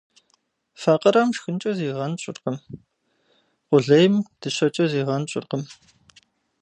Факъырэм шхынкӏэ зигъэнщӏыркъым, къулейм дыщэкӏэ зигъэнщӏыркъым.